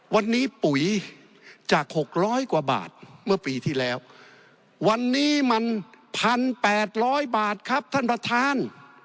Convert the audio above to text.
วันนี้ปุ๋ยจาก๖๐๐กว่าบาทเมื่อปีที่แล้ววันนี้มัน๑๘๐๐บาทครับท่านประธาน